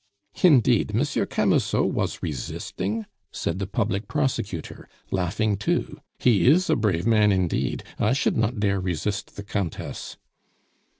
"Indeed! Monsieur Camusot was resisting?" said the public prosecutor, laughing too. "He is a brave man indeed; I should not dare resist the Countess."